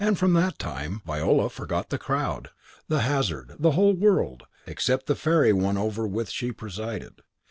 From that time Viola forgot the crowd, the hazard, the whole world, except the fairy one over with she presided.